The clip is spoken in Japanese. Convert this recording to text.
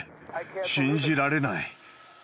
信じられない。